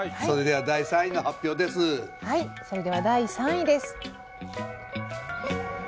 はいそれでは第３位です。